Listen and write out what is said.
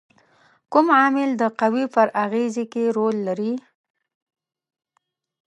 کوم عامل د قوې پر اغیزې کې رول لري؟